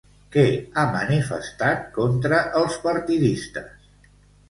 Què ha manifestat contra els partidistes?